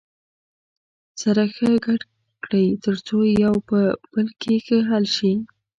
سره ښه ګډ کړئ تر څو یو په بل کې ښه حل شي.